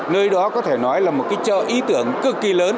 nơi đó có thể nói là một cái chợ ý tưởng cực kỳ lớn